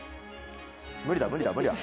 無理だ無理だ無理だ。